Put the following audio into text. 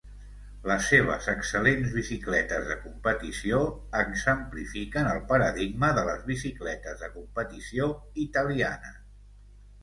Les seves excel·lents bicicletes de competició "exemplifiquen el paradigma de les bicicletes de competició italianes".